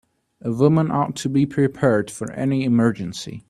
A woman ought to be prepared for any emergency.